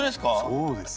そうです。